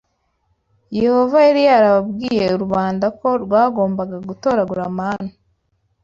Yehova yari yarabwiye rubanda ko rwagombaga gutoragura manu